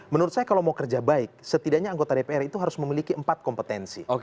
menurut saya kalau mau kerja baik setidaknya anggota dpr itu harus memiliki empat kompetensi